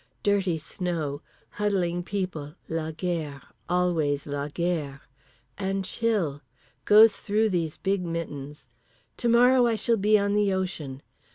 Dirty snow. Huddling people. La guerre. Always la guerre. And chill. Goes through these big mittens. To morrow I shall be on the ocean.